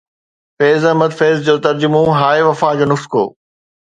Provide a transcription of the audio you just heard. فيض احمد فيض جو ترجمو، ”هاءِ وفا“ جو نسخو